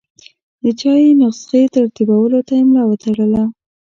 د چاپي نسخې ترتیبولو ته یې ملا وتړله.